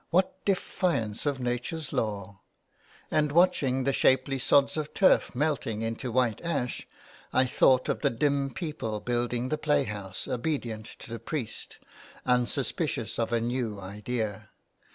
What defiance of nature's law ! And watching the shapely sods of turf 229 A PLAY HOUSE IN THE WASTE. melting into white ash I thought of the dim people building the playhouse, obedient to the priest, unsus picious of a new idea.